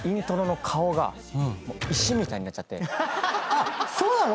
あっそうなの？